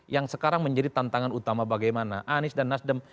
yang sekarang menjadi tantangan utama bagaimana anies dan nasdem